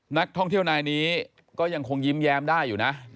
นักท่องเที่ยวนายนี้ก็ยังคงยิ้มแย้มได้อยู่นะ